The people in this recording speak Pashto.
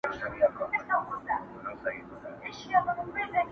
کهيېتخمونهدګناهدلتهکرليبيانو،